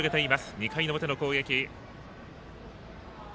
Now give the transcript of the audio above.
２回の表の攻撃。